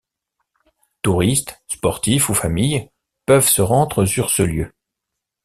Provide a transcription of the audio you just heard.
Touristes, sportifs ou familles peuvent se rendre sur ce lieu.